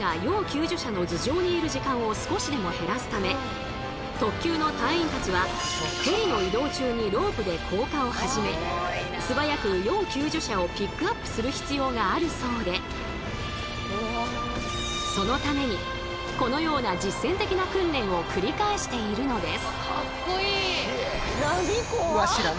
なのでトッキューの隊員たちはヘリの移動中にロープで降下を始め素早く要救助者をピックアップする必要があるそうでそのためにこのような実践的な訓練を繰り返しているのです。